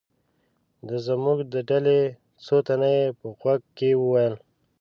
د زموږ د ډلې څو تنه یې په غوږ کې و ویل.